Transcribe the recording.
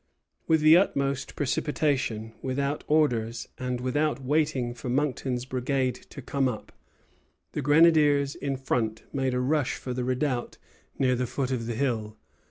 With the utmost precipitation, without orders, and without waiting for Monckton's brigade to come up, the grenadiers in front made a rush for the redoubt near the foot of the hill.